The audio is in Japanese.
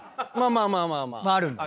まあまあまあまあありますね。